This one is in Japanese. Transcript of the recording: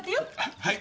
はい。